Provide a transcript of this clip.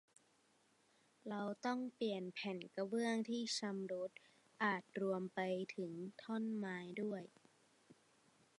เราต้องเปลี่ยนแผ่นกระเบื้องที่ชำรุด อาจจะรวมถึงท่อนไม้ด้วย